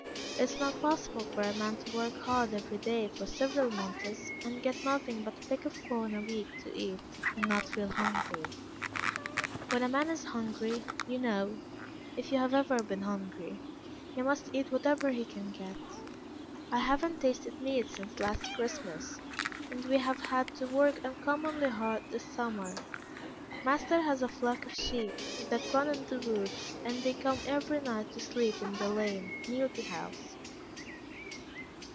It is not possible for a man to work hard every day for several months, and get nothing but a peck of corn a week to eat, and not feel hungry. When a man is hungry, you know, (if you have ever been hungry,) he must eat whatever he can get. I have not tasted meat since last Christmas, and we have had to work uncommonly hard this summer. Master has a flock of sheep, that run in the woods, and they come every night to sleep in the lane near the house.